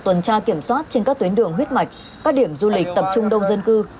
tuần tra kiểm soát trên các tuyến đường huyết mạch các điểm du lịch tập trung đông dân cư